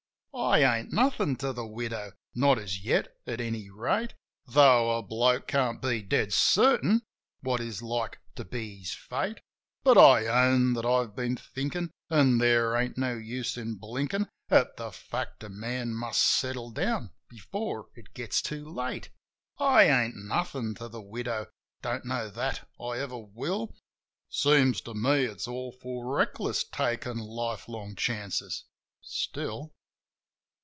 I ain't nothin' to the widow — not as yet, at any rate; Tho' a bloke can't be dead certain what is like to be his fate. But I own that I've been thinkin', an' there ain't no use in blinkin' At the fact a man must settle down before it gets too late. I ain't nothin' to the widow — don't know that I ever will. Seems to me it's awful reckless takin' lifelong chances — still